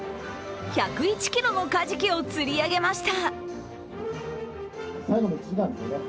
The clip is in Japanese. １０１ｋｇのカジキを釣り上げました。